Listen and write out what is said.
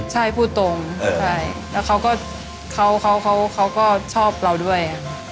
ใช่พูดตรงใช่แล้วเขาก็ชอบเราด้วย